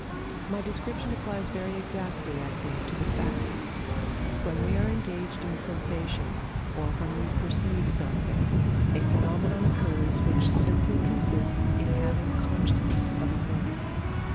My description applies very exactly, I think, to the facts. When we are engaged in a sensation, or when we perceive something, a phenomenon occurs which simply consists in having consciousness of a thing.